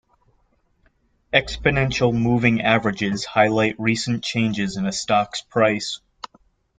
Exponential moving averages highlight recent changes in a stock's price.